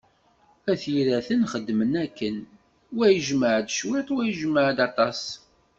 At Yiraten xedmen akken, wa ijemɛ-d cwiṭ, wa ijemɛ-d aṭas.